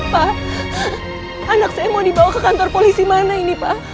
pak anak saya mau dibawa ke kantor polisi mana ini pak